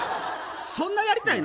そんなやりたいの？